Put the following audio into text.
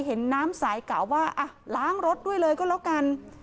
เห็นน้ำใสกะว่าล้างรถด้วยเลยก็แล้วกัน